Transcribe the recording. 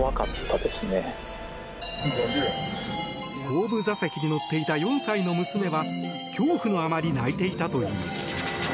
後部座席に乗っていた４歳の娘は恐怖のあまり泣いていたといいます。